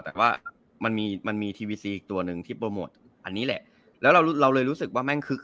แต่ว่ามันมีมันมีทีวีซีอีกตัวหนึ่งที่โปรโมทอันนี้แหละแล้วเราเราเลยรู้สึกว่าแม่งคึก